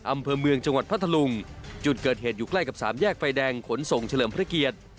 อำเภอเมืองจังหวัดพัทธลุงจุดเกิดเหตุอยู่ใกล้กับสามแยกไฟแดงขนส่งเฉลิมพระเกียรติ